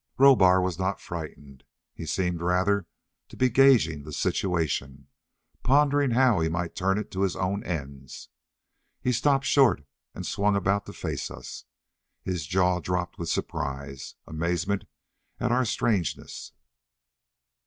Rohbar was not frightened. He seemed rather to be gauging the situation, pondering how he might turn it to his own ends. He stopped short and swung about to face us. His jaw dropped with surprise, amazement, at our strangeness.